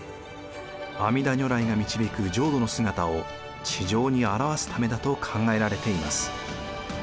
阿弥陀如来が導く浄土の姿を地上に表すためだと考えられています。